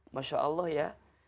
masya allah ya